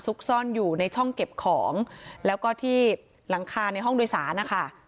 ซ่อนอยู่ในช่องเก็บของแล้วก็ที่หลังคาในห้องโดยสารนะคะ